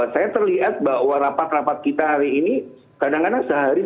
saya terlihat bahwa rapat rapat kita hari ini kadang kadang sehari sampai hari ini